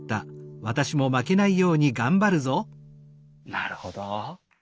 なるほど。